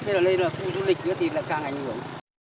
với là đây là khu du lịch nữa thì là càng ảnh hưởng